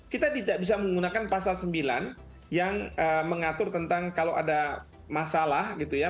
kita tidak bisa menggunakan pasal sembilan yang mengatur tentang kalau ada masalah gitu ya